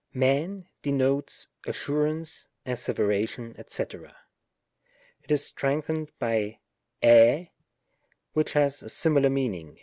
firiv denotes assm*ance, asseveration, <fec. ; it is strengthened by riy which has a similar meaning.